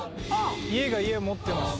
家が家持ってますし。